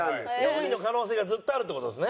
４位の可能性がずっとあるって事ですね？